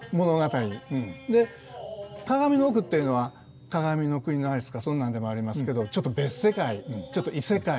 鏡の奥っていうのは「鏡の国のアリス」かそんなんでもありますけどちょっと別世界ちょっと異世界。